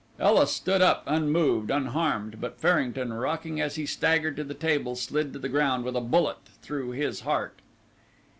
Ela stood up unmoved, unharmed, but Farrington, rocking as he staggered to the table, slid to the ground with a bullet through his heart.